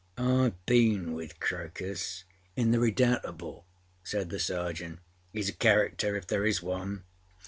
â âIâve been with Crocusâin the Redoubtable,â said the Sergeant. âHeâs a character if there is one.